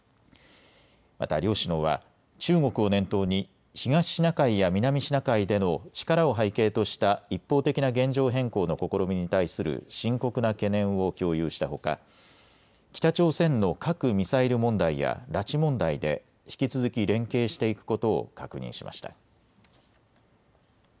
また両首脳は中国を念頭に東シナ海や南シナ海での力を背景とした一方的な現状変更の試みに対する深刻な懸念を共有したほか北朝鮮の核・ミサイル問題や拉致問題で引き続き連携していくことを確認しました。